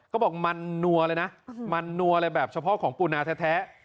ก็บอกมันนัวเลยนะมันนัวเลยแบบเฉพาะของปูนาแท้